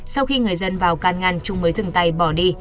sau khi người dân vào can ngăn chúng mới dừng tay bỏ đi